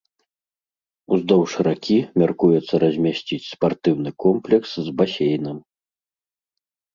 Уздоўж ракі мяркуецца размясціць спартыўны комплекс з басейнам.